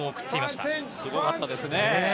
すごかったですね。